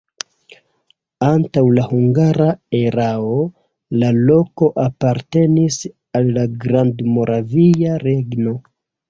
Antaŭ la hungara erao la loko apartenis al la Grandmoravia Regno.